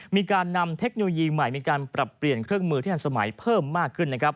มีการนำเทคโนโลยีใหม่มีการปรับเปลี่ยนเครื่องมือที่ทันสมัยเพิ่มมากขึ้นนะครับ